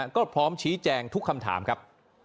ก็พร้อมชี้แจงทุกคำถามครับ